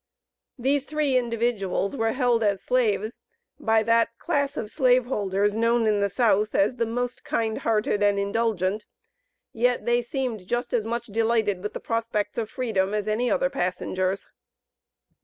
These three individuals were held as slaves by that class of slave holders, known in the South as the most kind hearted and indulgent, yet they seemed just as much delighted with the prospects of freedom as any other passengers.